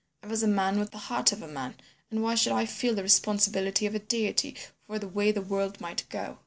I was a man with the heart of a man, and why should I feel the responsibility of a deity for the way the world might go?